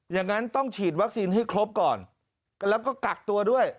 อย่างนั้นต้องฉีดวัคซีนให้ครบก่อนแล้วก็กักตัวด้วย